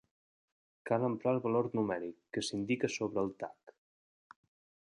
Cal emprar el valor numèric que s'indica sobre el tac.